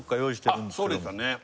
そうですね